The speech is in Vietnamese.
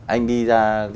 anh đi ra